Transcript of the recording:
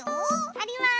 あります。